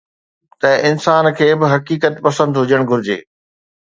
ته انسان کي به حقيقت پسند هجڻ گهرجي.